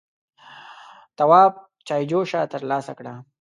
تواب چايجوشه تر لاسه کړه.